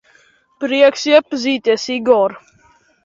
Prieks iepazīties, Igor.